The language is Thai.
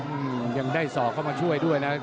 อืมยังได้ศอกเข้ามาช่วยด้วยนะ